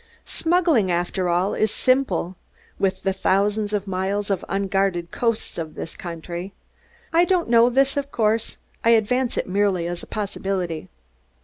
Smuggling, after all, is simple with the thousands of miles of unguarded coasts of this country. I don't know this, of course; I advance it merely as a possibility."